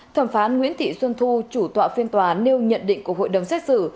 thẩm phán nguyễn thị xuân thu chủ tọa phiên tòa nêu nhận định của hội đồng xét xử